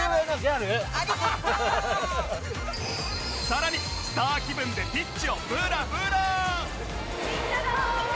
さらにスター気分でピッチをブラブラ！